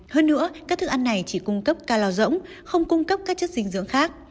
hơn nữa các thức ăn này chỉ cung cấp calor rỗng không cung cấp các chất dinh dưỡng khác